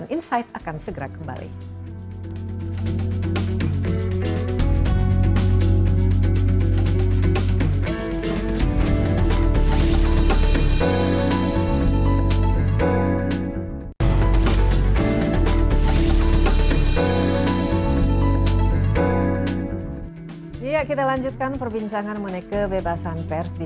insight akan segera kembali